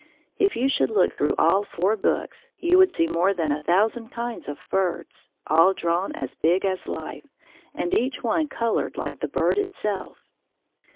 If you should look through all four books, you would see more than a thousand kinds of birds, all drawn as big as life, and each one colored like the bird itself.